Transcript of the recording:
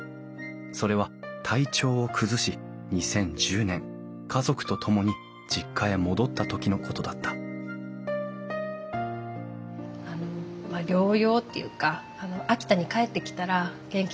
それは体調を崩し２０１０年家族と共に実家へ戻った時のことだった療養っていうか秋田に帰ってきたら元気になるんじゃないかなって思って。